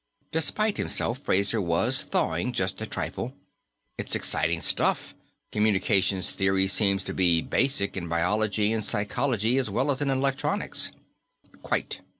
Despite himself, Fraser was thawing, just a trifle. "It's exciting stuff. Communications theory seems to be basic, in biology and psychology as well as in electronics." "Quite.